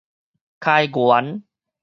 開源